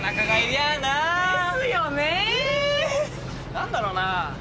何だろうな。